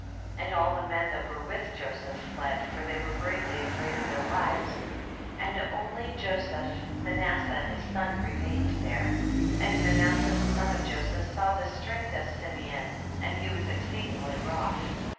41. And all the men that were with Joseph fled, for they were greatly afraid of their lives, and only Joseph Manasseh his son remained there, and Manasseh the son of Joseph saw the strength of Simeon, and he was exceedingly wroth.